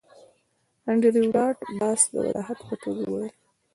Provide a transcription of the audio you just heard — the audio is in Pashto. انډریو ډاټ باس د وضاحت په توګه وویل